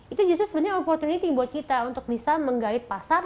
itu justru sebenarnya opportunity buat kita untuk bisa menggait pasar